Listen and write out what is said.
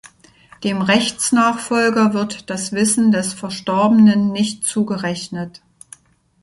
Dem Rechtsnachfolger wird das Wissen des Verstorbenen nicht zugerechnet.